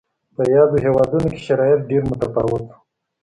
په یادو هېوادونو کې شرایط ډېر متفاوت و.